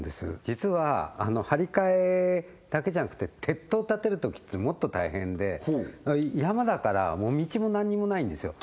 実は張り替えだけじゃなくて鉄塔たてるときってもっと大変で山だから道も何にもないんですよ